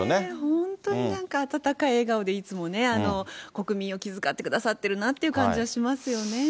本当になんか温かい笑顔でいつもね、国民を気遣ってくださってるなって感じはしますよね。